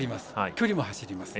距離も走ります。